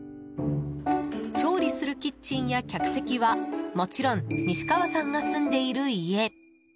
調理するキッチンや客席はもちろん西川さんが住んでいる家。